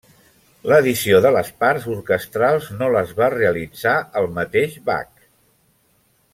L'addició de les parts orquestrals no les va realitzar el mateix Bach.